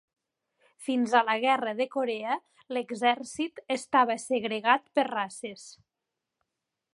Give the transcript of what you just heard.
Fins a la Guerra de Corea, l'exèrcit estava segregat per races.